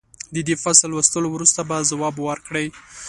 د دې فصل لوستلو وروسته به ځواب ورکړئ.